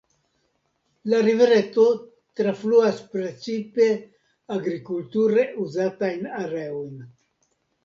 La rivereto trafluas precipe agrikulture uzatajn areojn.